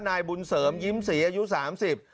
นายบุญเสริมยิ้มศรีอายุ๓๐ปี